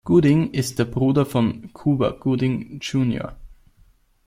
Gooding ist der Bruder von Cuba Gooding Jr.